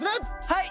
はい！